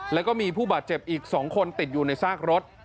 แล้วก็มีผู้บาดเจ็บอีก๒คนติดอยู่ในซากรถ